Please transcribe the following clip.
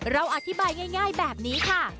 เราอธิบายง่ายแบบนี้ค่ะ